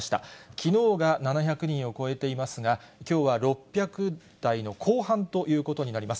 きのうが７００人を超えていますが、きょうは６００台の後半ということになります。